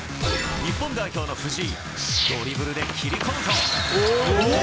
日本代表の藤井ドリブルで切り込むと。